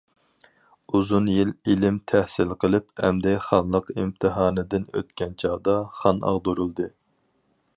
ئۇزۇن يىل ئىلىم تەھسىل قىلىپ، ئەمدى خانلىق ئىمتىھانىدىن ئۆتكەن چاغدا خان ئاغدۇرۇلدى.